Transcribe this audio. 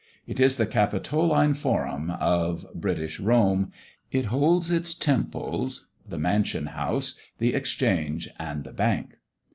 It is the Capitoline Forum of British Rome; it holds its temples, the Mansion house, the Exchange and the Bank.